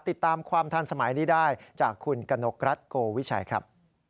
ติดตามความทันสมัยนี้ได้จากคุณกนกรัฐโกวิชัยครับ